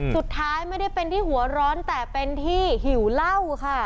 สุดท้ายไม่ได้เป็นที่หัวร้อนแต่เป็นที่หิวเหล้าค่ะ